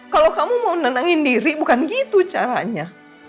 kalau kamu mau nenangin diri bukan gitu caranya